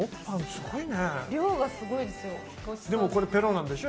でもこれペロッなんでしょ？